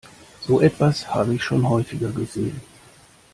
So etwas habe ich schon häufiger gesehen.